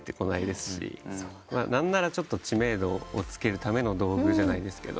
何なら知名度をつけるための道具じゃないですけど。